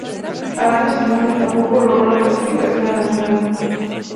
Al año siguiente tampoco logró la clasificación al Nacional.